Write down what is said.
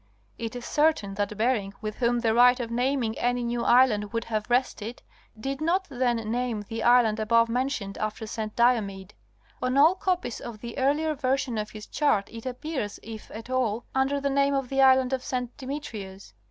It is certain that Bering with whom the right of naming any new island would have rested, did not then name the island above men tioned after St. Diomede. On all copies of the earlier version of his chart it appears if at all under the name of the Island of St. Demetrius.